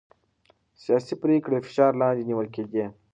سياسي پرېکړې د فشار لاندې نيول کېدې.